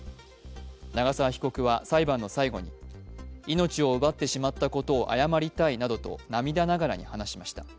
長沢被告は裁判の最後に、命を奪ってしまったことを謝りたいなどと涙ながらに話しました。